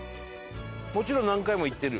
もちろん何回も行ってる？